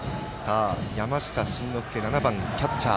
山下真ノ介７番キャッチャー。